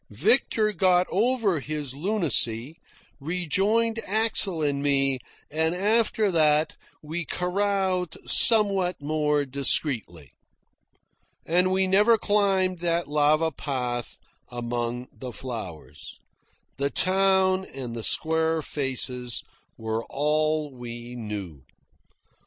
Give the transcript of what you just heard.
Victor got over his lunacy, rejoined Axel and me, and after that we caroused somewhat more discreetly. And we never climbed that lava path among the flowers. The town and the square faces were all we saw.